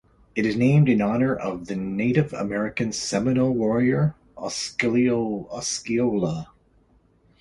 It is named in honor of the Native American Seminole warrior, Osceola.